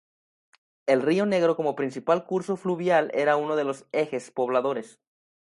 El río Negro como principal curso fluvial era uno de los ejes pobladores.